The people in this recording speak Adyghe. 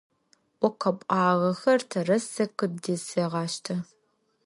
О къэпӀуагъэхэр тэрэз, сэ къыбдесэгъаштэ.